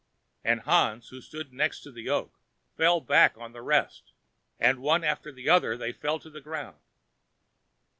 and Hans, who stood next to the oak, fell back on the rest, and one after the other fell to the ground.